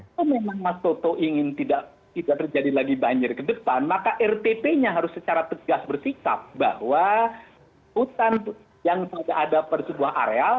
kalau memang mas toto ingin tidak terjadi lagi banjir ke depan maka rtp nya harus secara tegas bersikap bahwa hutan yang tidak ada per sebuah areal